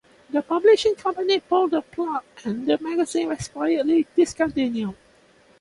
The publishing company pulled the plug and the magazine was quietly discontinued.